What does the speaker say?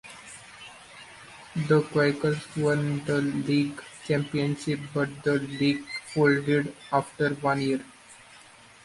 The Quakers won the league championship but the league folded after one year.